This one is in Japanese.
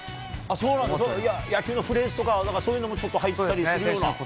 そうなんだ、野球のフレーズとか、なんかそういうのもちょっと入ったりするような。